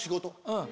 うん。